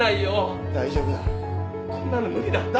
大丈夫だ。